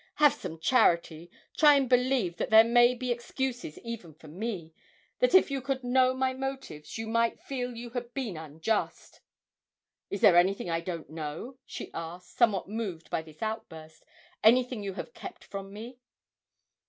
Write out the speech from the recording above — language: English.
Have some charity, try and believe that there may be excuses even for me that if you could know my motives you might feel you had been unjust!' 'Is there anything I don't know?' she asked, somewhat moved by this outburst, 'anything you have kept from me?'